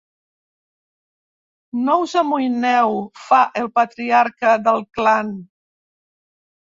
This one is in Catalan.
No us amoïneu —fa el patriarca del clan—.